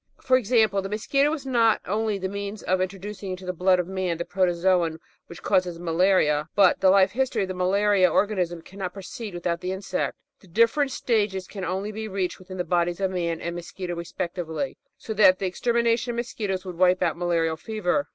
For example, the Mosquito is not only the means of in troducing into the blood of man the Protozoon which causes malaria, but the life history of the malaria organism cannot proceed without the insect; the different stages can only be reached within the bodies of man and mosquito respectively, so that the extermination of mosquitoes would wipe out malarial fever.